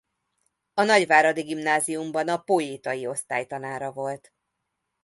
A nagyváradi gimnáziumban a poétai osztály tanára volt.